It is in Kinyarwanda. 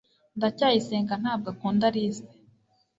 ndacyayisenga ntabwo akunda alice